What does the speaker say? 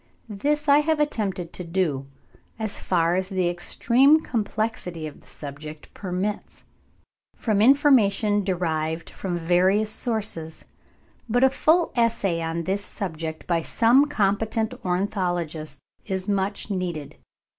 This I have attempted to do, as far as the extreme complexity of the subject permits, from information derived from various sources; but a full essay on this subject by some competent ornithologist is much needed.